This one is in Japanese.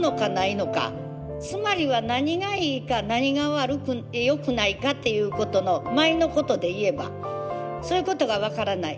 つまりは何がいいか何が悪くってよくないかっていうことの舞のことで言えばそういうことが分からない。